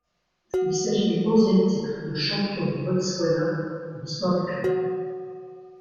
Il s’agit du onzième titre de champion du Botswana de l’histoire du club.